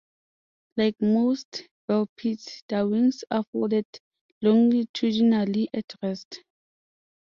Like most vespids, their wings are folded longitudinally at rest.